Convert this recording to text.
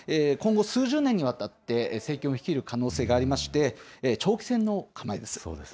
今後数十年にわたって政権を率いる可能性がありまして、長期戦の構えです。